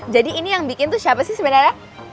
jadi ini yang bikin tuh siapa sih sebenarnya